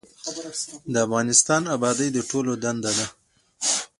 د افغانستان ابادي د ټولو دنده ده